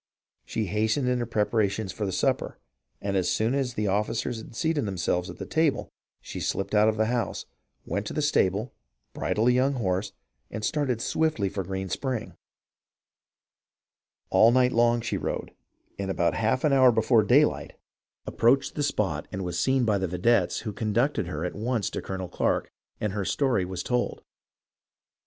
She hastened her preparations for the supper, and as soon as the officers seated themselves at the table, she slipped out of the house, went to the stable, bridled a young horse, and started swiftly for Green Spring. All night long she rode, and about half an hour before daylight approached the 358 HISTORY OF THE AMERICAN REVOLUTION spot and was seen by the vedettes, who conducted her at once to Colonel Clarke, and her story was told.